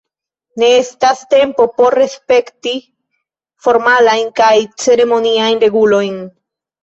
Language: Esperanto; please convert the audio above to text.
Ne estas tempo por respekti formalajn kaj ceremoniajn regulojn.